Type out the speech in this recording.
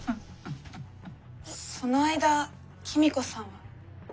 その間公子さんは。